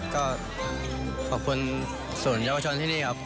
ขอบคุณสู่อย่างภัชน์ที่นี่ครับ